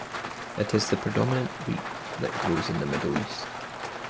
It is the predominant wheat that grows in the Middle East.